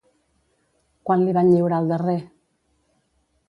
Quan li van lliurar el darrer?